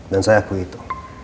dan saya akui itu